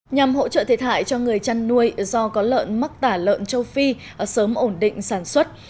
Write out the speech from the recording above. nhằm hỗ trợ thiệt hại cho người chăn nuôi do có lợn mắc tả lợn châu phi sớm ổn định sản xuất